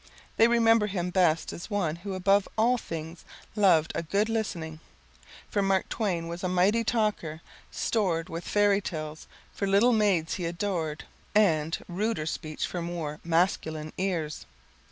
They remember him best as one who above all things loved a good listening, for Mark Twain was a mighty talker, stored with fairy tales for the little maids he adored, and [text unreadable], ruder speech for more [text unreadable] masculine ears.